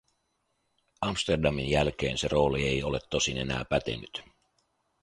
Amsterdamin jälkeen se rooli ei ole tosin enää pätenyt.